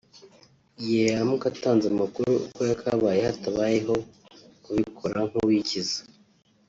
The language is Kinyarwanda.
igihe yaramuka atanze amakuru uko yakabaye hatabayeho kubikora nk’uwikiza